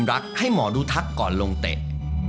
สวัสดีครับ